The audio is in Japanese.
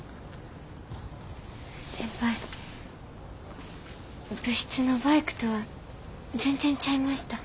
先輩部室のバイクとは全然ちゃいました。